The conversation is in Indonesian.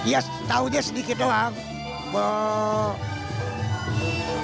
ya tahu saja sedikit doang